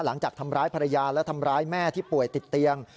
หลังจากทำร้ายภรรยาและทำร้ายแม่ที่ป่วยติดเตียง